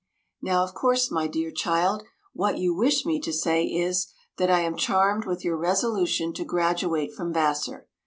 Now of course, my dear child, what you wish me to say is, that I am charmed with your resolution to graduate from Vassar.